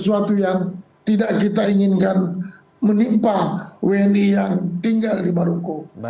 sesuatu yang tidak kita inginkan menimpa wni yang tinggal di maroko